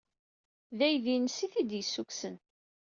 D aydi-nnes ay t-id-yessukksen.